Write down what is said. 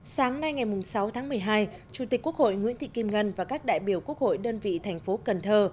sáng nay ngày sáu tháng một mươi hai chủ tịch quốc hội nguyễn thị kim ngân và các đại biểu quốc hội đơn vị thành phố cần thơ